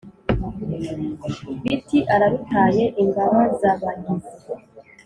biti " ararutaye imbabazabahizi !".